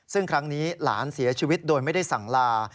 ซึ่งครั้งนี้หลานเสียชีวิตโดยไม่ได้สั่งลา